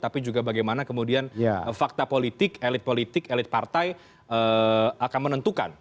tapi juga bagaimana kemudian fakta politik elit politik elit partai akan menentukan